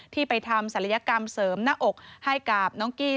ที่ไปทำศัลยกรรมเสริมหน้าอกให้กับน้องกี้